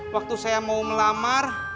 waktu saya mau melamar